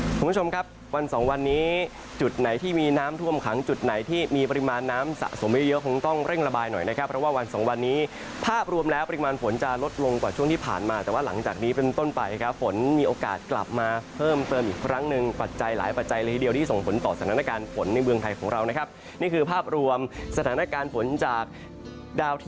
ขอบคุณผู้ชมครับวันสองวันนี้จุดไหนที่มีน้ำท่วมขังจุดไหนที่มีปริมาณน้ำสะสมไม่เยอะคงต้องเร่งระบายหน่อยนะครับเพราะว่าวันสองวันนี้ภาพรวมแล้วปริมาณฝนจะลดลงกว่าช่วงที่ผ่านมาแต่ว่าหลังจากนี้เป็นต้นไปนะครับฝนมีโอกาสกลับมาเพิ่มเพิ่มอีกครั้งหนึ่งปัจจัยหลายปัจจัยเลยเดียวที่ส่งผลต่